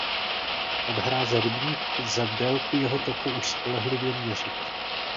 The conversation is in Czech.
Od hráze rybníka lze délku jeho toku už spolehlivě měřit.